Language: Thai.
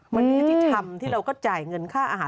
วันนี้ที่ทำที่เราก็จ่ายเงินค่าอาหาร